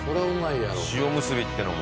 塩むすびってのも。